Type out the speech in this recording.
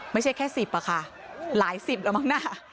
ไม่ใช่แค่๑๐อะค่ะหลายสิบแล้วมั้งนะ